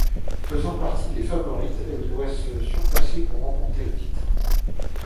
Faisant partie des favorites, elle doit se surpasser pour remporter le titre.